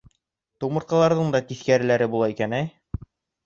Тумыртҡаларҙың да тиҫкәреләре була икән, әй.